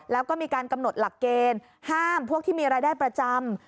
แล้วก็มีการกำหนดหลักเกณฑ์ห้ามพวกที่มีรายได้ประจำ